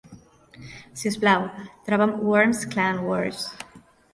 Si us plau, troba'm Worms Clan Wars.